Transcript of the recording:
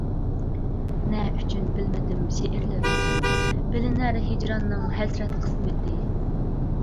نە ئۈچۈن بىلمىدىم شېئىرلىرىڭدىن، بىلىنەر ھىجراننىڭ ھەسرەت قىسمىتى.